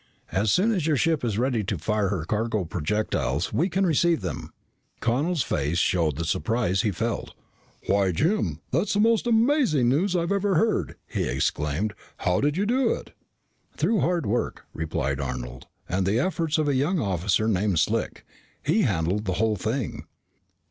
As soon as your ship is ready to fire her cargo projectiles, we can receive them." Connel's face showed the surprise he felt. "Why, Jim, that's the most amazing news I've ever heard!" he exclaimed. "How did you do it?" "Through hard work," replied Arnold, "and the efforts of a young officer named Slick. He handled the whole thing."